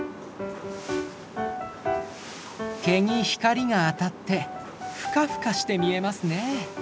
毛に光が当たってフカフカして見えますね。